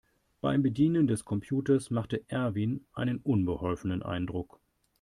Beim Bedienen des Computers machte Erwin einen unbeholfenen Eindruck.